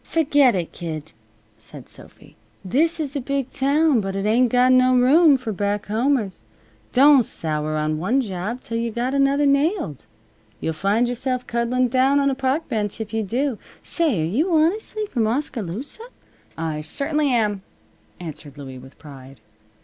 "Ferget it, kid," said Sophy. "This is a big town, but it ain't got no room for back homers. Don't sour on one job till you've got another nailed. You'll find yourself cuddling down on a park bench if you do. Say, are you honestly from Oskaloosa?" "I certainly am," answered Louie, with pride.